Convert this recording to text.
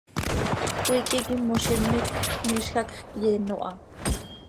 Cmiique quih immozime quij miizj hacx cyeeno ha.